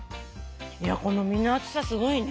この身の厚さすごいね。